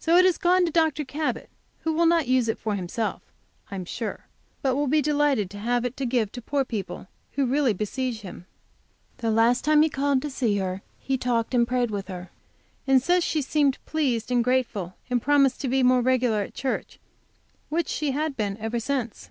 So it has gone to Dr. Cabot, who will not use it for himself, I am sure, but will be delighted to have it to give to poor people, who really besiege him. The last time he called to see her he talked and prayed with her, and says she seemed pleased and grateful, and promised to be more regular at church, which she had been, ever since.